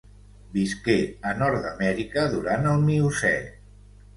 Visqué a Nord-amèrica durant el Miocè.